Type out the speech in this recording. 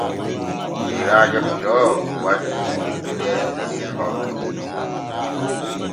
Yeerajo ɓiroowo wandi ɓiirude der hoggo.